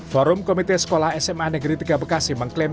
forum komite sekolah sma negeri tiga bekasi mengklaim